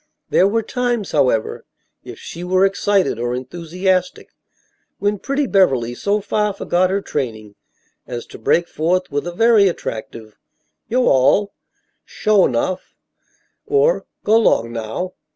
There were times, however, if she were excited or enthusiastic, when pretty Beverly so far forgot her training as to break forth with a very attractive "yo' all," "suah 'nough," or "go 'long naow."